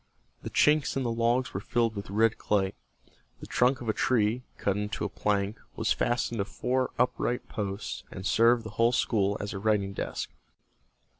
The chinks in the logs were filled with red clay. The trunk of a tree, cut into a plank, was fastened to four upright posts, and served the whole school as a writing desk.